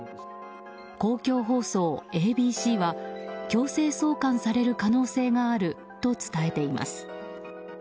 公共放送ＡＢＣは強制送還される可能性があると伝えています。